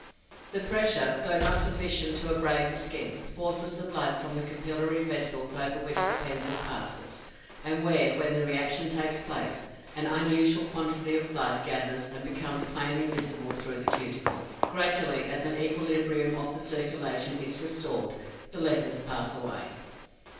The pressure, though not sufficient to abrade the skin, forces the blood from the capillary vessels over which the pencil passes, and where, when the reaction takes place, an unusual quantity of blood gathers and becomes plainly visible through the cuticle. Gradually, as an equilibrium of the circulation is restored, the letters pass away.